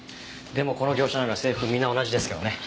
でもこの業者なら制服みんな同じですけどね。